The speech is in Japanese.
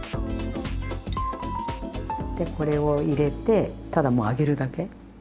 でこれを入れてただもう揚げるだけ。